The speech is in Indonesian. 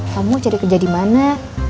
kamu cari kerja di mana